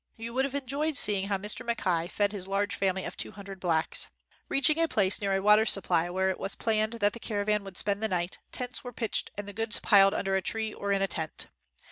You would have enjoyed seeing how Mr. Mackay fed his large family of two hundred blacks. Reaching a place near a water sup ply where it was planned that the caravan would spend the night, tents were pitched and the goods piled under a tree or in a tent.